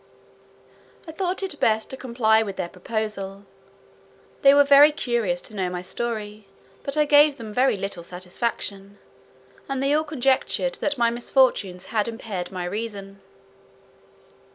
I thought it best to comply with their proposal. They were very curious to know my story, but I gave them very little satisfaction, and they all conjectured that my misfortunes had impaired my reason.